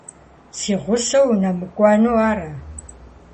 Си гъусэу унэмыкӀуэну ара?